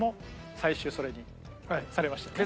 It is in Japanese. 最終それにされましたね。